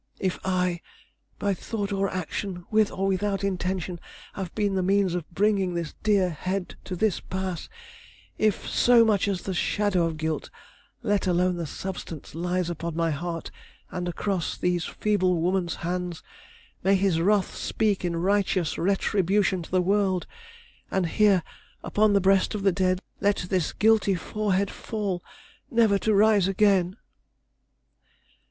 If I, by thought or action, with or without intention, have been the means of bringing this dear head to this pass; if so much as the shadow of guilt, let alone the substance, lies upon my heart and across these feeble woman's hands, may His wrath speak in righteous retribution to the world, and here, upon the breast of the dead, let this guilty forehead fall, never to rise again!"